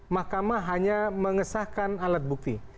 mahkamah hanya mengesahkan alat bukti